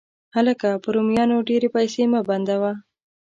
هلکه، په رومیانو ډېرې پیسې مه بندوه.